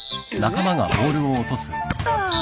ああ。